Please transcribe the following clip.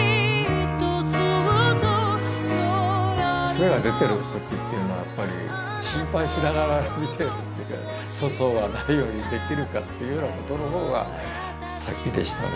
娘が出てる時っていうのはやっぱり心配しながら見てるっていうか粗相がないようにできるかっていうような事の方が先でしたね。